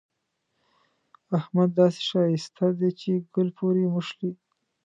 احمد داسې ښايسته دی چې ګل پورې مښلي.